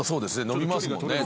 伸びますもんね。